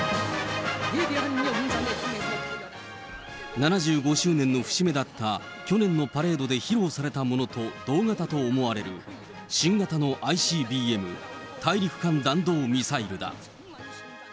７５周年の節目だった去年のパレードで披露されたものと同型と思われる、新型のＩＣＢＭ・大陸間弾道ミサイルだ。